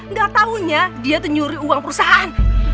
nggak tahunya dia itu nyuri uang perusahaan